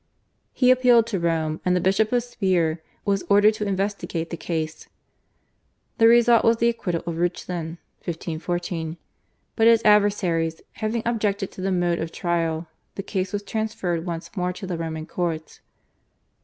He appealed to Rome, and the Bishop of Speier was ordered to investigate the case. The result was the acquittal of Reuchlin (1514), but his adversaries, having objected to the mode of trial, the case was transferred once more to the Roman courts.